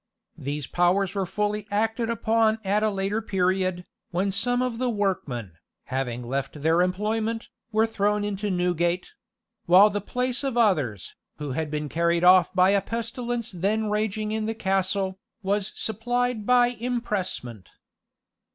These powers were fully acted upon at a later period, when some of the workmen, having left their employment, were thrown into Newgate; while the place of others, who had been carried off by a pestilence then raging in the castle, was supplied by impressment.